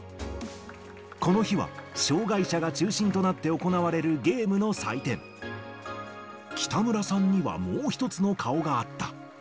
この日は、障がい者が中心となって行われるゲームの祭典、北村さんにはもう一つの顔があった。